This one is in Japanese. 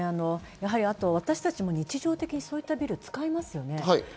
私たちも日常的にそういったビルを使いますよね。